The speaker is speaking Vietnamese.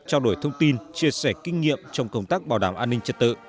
trao đổi thông tin chia sẻ kinh nghiệm trong công tác bảo đảm an ninh trật tự